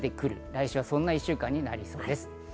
来週はそういう１週間になりそうです。